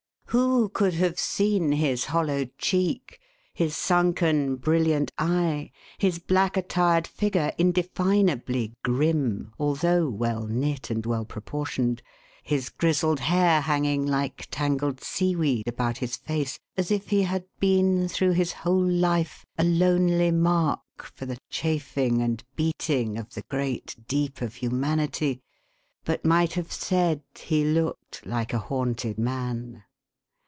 Who could have seen his hollow cheek, his sunken brilliant eye; his black attired figure, indefinably grim, although well knit and well proportioned; his grizzled hair hanging, like tangled sea weed, about his face, — as if he had been, through his whole life, a lonely mark for the chafing and beating of the great deep of humanity, — but might have said he looked like a haunted man